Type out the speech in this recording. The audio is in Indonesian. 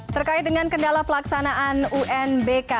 terkait dengan kendala pelaksanaan unbk